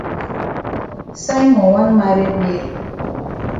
Simon wan maret Mary.